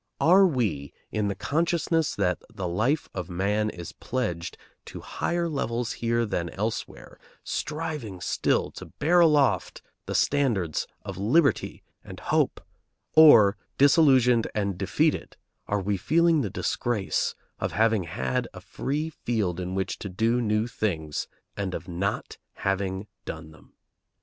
Are we, in the consciousness that the life of man is pledged to higher levels here than elsewhere, striving still to bear aloft the standards of liberty and hope, or, disillusioned and defeated, are we feeling the disgrace of having had a free field in which to do new things and of not having done them?